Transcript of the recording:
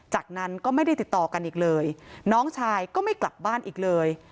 จากนั้นก็ไม่ได้ติดต่อกันอีกเลยน้องชายก็ไม่กลับบ้านอีกเลย